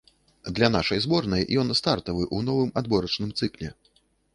Для нашай зборнай ён стартавы ў новым адборачным цыкле.